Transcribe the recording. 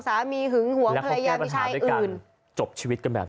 สามีหึงหวงภรรยาพิชัยอื่น